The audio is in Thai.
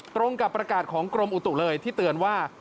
ตรงกับประกาศของกรมอุตุเลยที่เตือนว่า